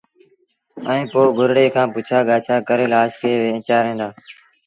ائيٚݩ پو گُرڙي کآݩ پڇآ ڳآڇآ ڪري لآش کي وينچآرين دآ